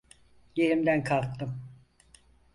Yerimden kalktım.